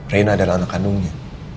rena adalah anak kandungnya